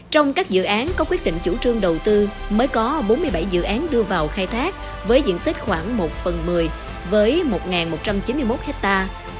trong các dự án có quyết định chủ trương đầu tư mới có bốn mươi bảy dự án đưa vào khai thác với diện tích khoảng một phần một mươi với một một trăm chín mươi một hectare